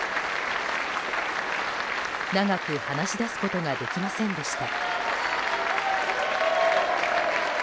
長く、話し出すことができませんでした。